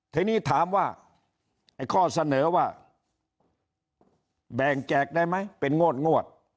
ทีนี้ถามว่าไอ้ข้อเสนอว่าแบ่งแจกได้ไหมเป็นงวด